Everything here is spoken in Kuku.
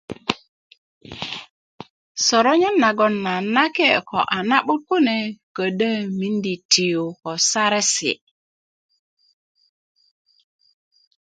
soronyon nagon a nake' ko a na'but kune ködö miindi tiyu ko saresi'